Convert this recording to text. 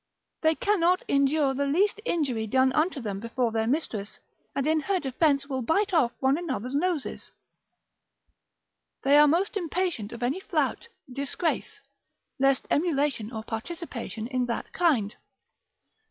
They cannot endure the least injury done unto them before their mistress, and in her defence will bite off one another's noses; they are most impatient of any flout, disgrace, lest emulation or participation in that kind.